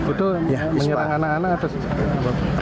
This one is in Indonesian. itu menyerang anak anak atau